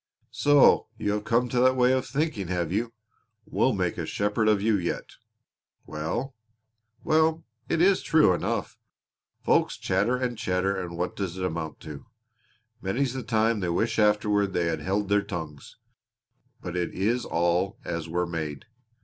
"So you have come to that way of thinking, have you? We'll make a shepherd of you yet! Well, well, it is true enough. Folks chatter and chatter and what does it amount to? Many's the time they wish afterward they had held their tongues. But it is all as we're made.